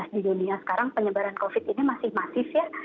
di dunia sekarang penyebaran covid ini masih masif ya